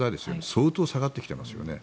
相当下がってきてますよね。